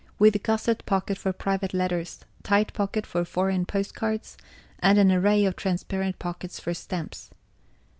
With gusset pocket for private letters, tight pocket for foreign post cards, and an array of transparent pockets for stamps.